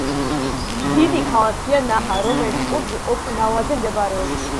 დიდი ქალაქია ნაჰა, რომელიც კუნძულ ოკინავაზე მდებარეობს.